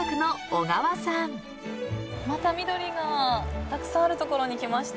また緑がたくさんある所に来ましたね。